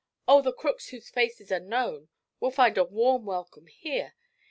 Oh, the crooks whose faces are known will find a warm welcome here!